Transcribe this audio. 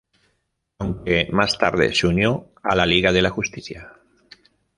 Aunque, más tarde se unió a la Liga de la Justicia.